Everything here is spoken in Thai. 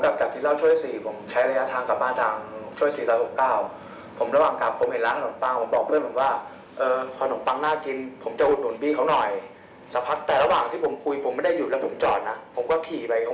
บอกว่าพวกมึงมาว่าพวกมึงเป็นอะไรอะไรมึงจะเอาอะไร